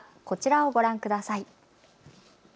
こちらをご覧ください。